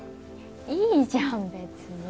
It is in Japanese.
いいじゃん別に。